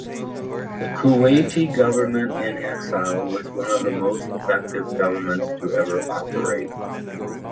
The Kuwaiti government-in-exile was one of the most effective governments to ever operate.